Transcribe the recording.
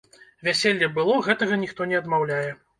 Вяселле было, гэтага ніхто не адмаўляе.